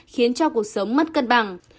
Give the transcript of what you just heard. khiến cho cuộc sống mất cân bằng